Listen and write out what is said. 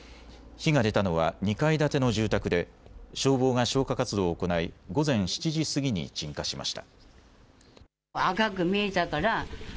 火が出たのは２階建ての住宅で消防が消火活動を行い午前７時過ぎに鎮火しました。